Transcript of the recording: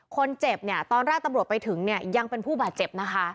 คนเจ็บตอนร่าตำรวจไปถึงยังเป็นผู้บาดเจ็บ